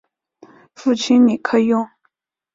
父亲李克用。